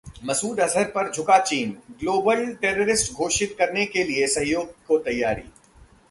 मसूद अजहर पर झुका चीन? ग्लोबल टेररिस्ट घोषित करने के लिए सहयोग को तैयार